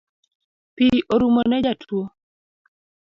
Pi orumo ne jatuo